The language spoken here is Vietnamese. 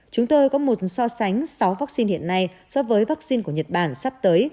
chúng tôi có một so sánh sáu vắc xin hiện nay so với vắc xin của nhật bản sắp tới